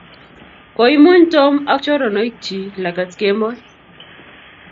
koimuny Tom ak choronoikchich lagat kemoi